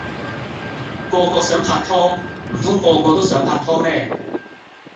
個個想拍拖，唔通個個都想拍拖咩